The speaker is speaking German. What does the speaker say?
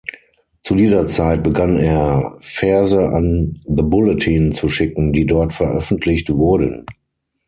Zu dieser Zeit begann er, Verse an „The Bulletin“ zu schicken, die dort veröffentlicht wurden.